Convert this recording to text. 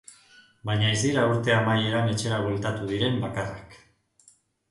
Baina ez dira urte amaieran etxera bueltatu diren bakarrak.